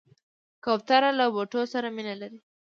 کوتره له بوټو سره مینه لري.